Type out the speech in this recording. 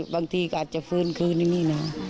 บางทีก็อาจจะฟื้นคืนอย่างนี้นะ